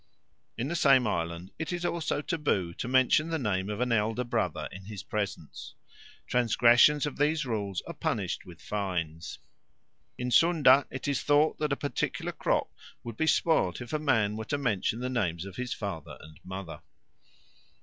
_ In the same island it is also taboo to mention the name of an elder brother in his presence. Transgressions of these rules are punished with fines. In Sunda it is thought that a particular crop would be spoilt if a man were to mention the names of his father and mother.